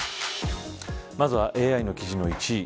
まずはＡＩの記事の１位。